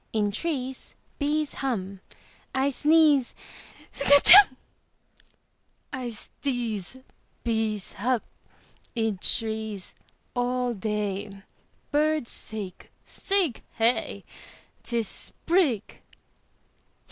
In trees Bees hum I sneeze Skatch Humb!! I sdeeze. Bees hub. Id trees All day Birds sig. Sig Hey! 'Tis Sprig!